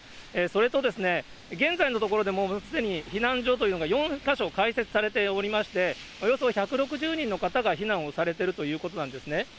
それと、現在のところでもうすでに避難所というのが４か所開設されておりまして、およそ１６０人の方が避難をされているということなんですね。